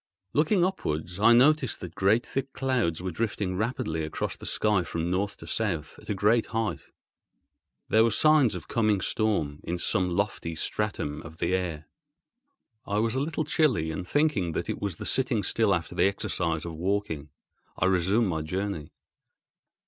Looking upwards I noticed that great thick clouds were drifting rapidly across the sky from North to South at a great height. There were signs of coming storm in some lofty stratum of the air. I was a little chilly, and, thinking that it was the sitting still after the exercise of walking, I resumed my journey.